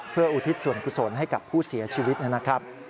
เพื่ออุทิศส่วนกุศลให้กับผู้เสียชีวิตนะครับ